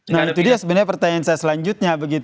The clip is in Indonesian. nah itu dia sebenarnya pertanyaan saya selanjutnya